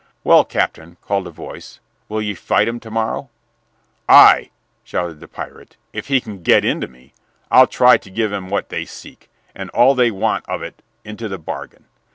"Well, Captain," called a voice, "will ye fight him to morrow?" "Aye," shouted the pirate, "if he can get in to me, I'll try to give 'em what they seek, and all they want of it into the bargain.